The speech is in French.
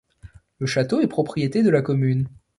Le château est propriété de la commune.